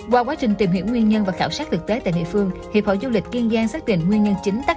qua quá trình tìm hiểu nguyên nhân và khảo sát thực tế tại địa phương hiệp hội du lịch kiên giang xác định nguyên nhân chính tắc